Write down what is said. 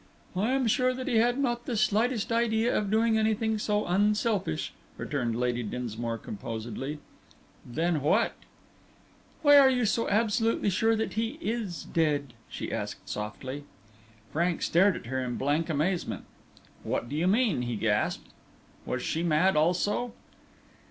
"I am sure that he had not the slightest idea of doing anything so unselfish," returned Lady Dinsmore, composedly. "Then what " "Why are you so absolutely sure that he is dead?" she asked softly. Frank stared at her in blank amazement. "What do you mean?" he gasped. Was she mad also?